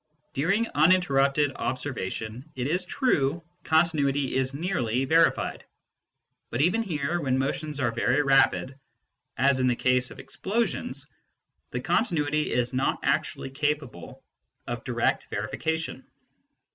During uninterrupted observa tion, it is true, continuity is nearly verified ; but even here, when motions are very rapid, as in the case of explosions, the continuity is not actually capable of direct verification.